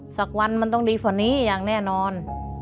สักวันมันต้องดีกว่านี้อย่างแน่นอน